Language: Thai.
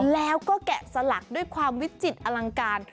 แล้วก็แกะสลักด้วยความวิจิตรอลังการ